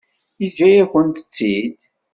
Yeǧǧa-yakent-tt-id?